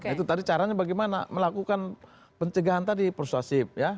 itu tadi caranya bagaimana melakukan pencegahan tadi persuasif ya